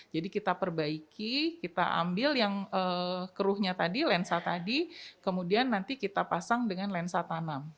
jadi kita perbaiki kita ambil yang keruhnya tadi lensa tadi kemudian nanti kita pasang dengan lensa tanam